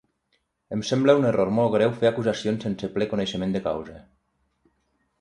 Em sembla un error molt greu fer acusacions sense ple coneixement de causa.